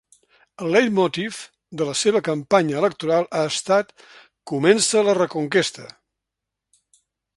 El leitmotiv de la seva campanya electoral ha estat ‘Comença la Reconquesta’.